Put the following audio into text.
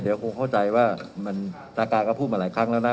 เดี๋ยวคงเข้าใจว่ามันตาก็พูดมาหลายครั้งแล้วนะ